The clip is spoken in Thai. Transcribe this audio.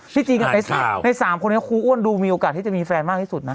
จริงกับใน๓คนนี้ครูอ้วนดูมีโอกาสที่จะมีแฟนมากที่สุดนะ